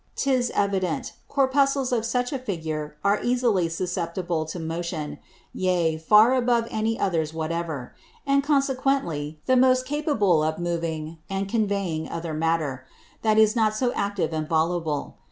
'Tis evident, Corpuscles of such a Figure are easily susceptible of Motion, yea, far above any others whatever; and consequently the most capable of moving and conveying other Matter, that is not so active and voluble.